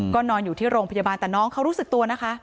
ก็นอนอยู่ที่โรงพยาบาลแต่น้องเขารู้สึกตัวนะคะ